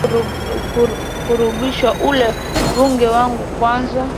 siendi kumrudisha ule mbunge wangu kwanza